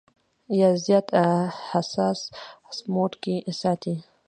يا زيات حساس موډ کښې ساتي -